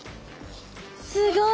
すごい！